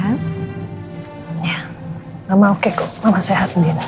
ya mama oke kok mama sehat sendiri